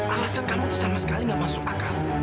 alasan kamu tuh sama sekali nggak masuk akal